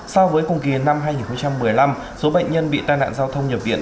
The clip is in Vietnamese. so với cùng kỳ năm hai nghìn một mươi năm số bệnh nhân bị tai nạn giao thông nhập viện